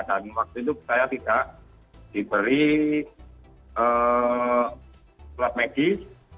dan waktu itu saya tidak diberi peluas medis